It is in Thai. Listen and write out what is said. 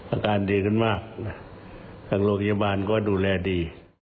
อาการดีขึ้นมากนะทางโรงพยาบาลก็ดูแลดี